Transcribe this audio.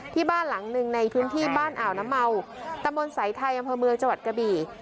ที่บ้านหลังหนึ่งในพื้นที่บ้านอ่าวน้ำเมาตะมนต์สายไทยอำเภอเมืองจังหวัดกระบี่